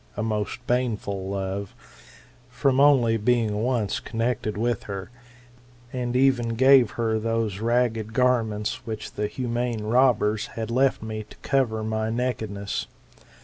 a most baneful love] from only being once connected with her : and even gave her those ragged garments which the humane robbers had left me to cover my nakedness.